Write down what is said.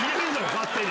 勝手に。